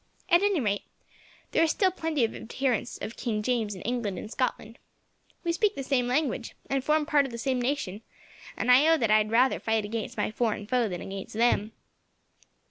At any rate, there are still plenty of adherents of King James in England and Scotland. We speak the same language, and form part of the same nation, and I own that I would rather fight against any foreign foe than against them."